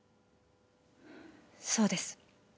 そうです。